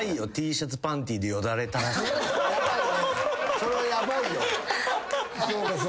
それはヤバいよ。